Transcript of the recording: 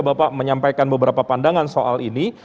bapak menyampaikan beberapa pandangan soal ini